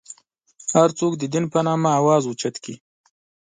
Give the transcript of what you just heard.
هر څوک د دین په نامه اواز اوچت کړي.